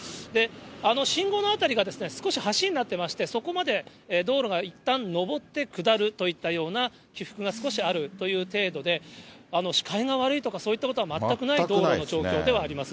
あの信号の辺りが少し橋になってまして、そこまで道路がいったん上って下るといったような、起伏が少しあるという程度で、視界が悪いとか、そういったことは全くない道路の状況ではあります。